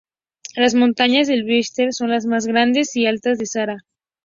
Las montañas del Tibesti son las más grandes y altas del Sáhara.